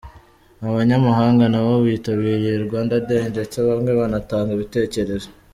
Abanyamahanga nabo bitabiriye Rwanda Day ndetse bamwe banatanga ibitekerezo.